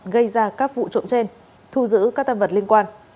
gây ra các vụ trộm trên thu giữ các tam vật liên quan